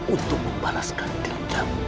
untuk membalaskan diri kamu